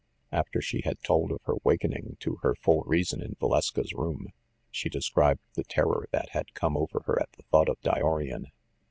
After she had told of her wakening to her full rea son in Valeska's room, she described the terror that had come over her at the thought of Dyorian.